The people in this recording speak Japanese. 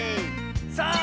さあ